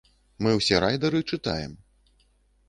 Мы ўсе райдары чытаем.